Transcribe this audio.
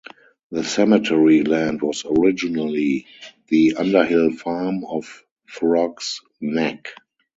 The cemetery land was originally the Underhill Farm of Throgg's Neck.